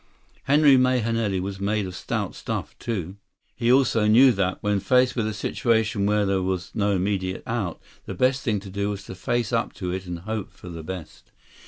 Henry Mahenili was made of stout stuff, too. He also knew that, when faced with a situation where there was no immediate out, the best thing to do was to face up to it and hope for the best.